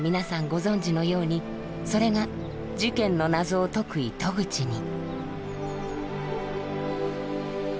ご存じのようにそれが事件の謎を解く糸口に。